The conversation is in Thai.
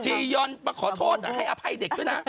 จียอนมาขอโทษให้อภัยเด็กด้วยนะ